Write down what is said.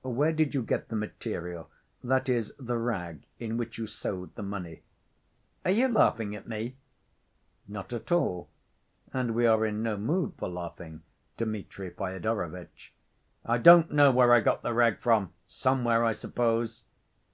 "Where did you get the material, that is, the rag in which you sewed the money?" "Are you laughing at me?" "Not at all. And we are in no mood for laughing, Dmitri Fyodorovitch." "I don't know where I got the rag from—somewhere, I suppose."